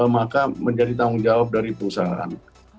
maka menjadi tanggung jawab dari perusahaan